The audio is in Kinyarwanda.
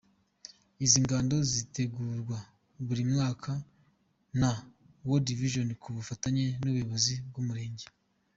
Izi ngando zitegurwa buri mwaka na World Vision ku bufatanye n’ubuyobozi bw’umurenge.